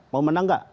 mau menang nggak